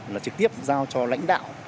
là trực tiếp giao cho lãnh đạo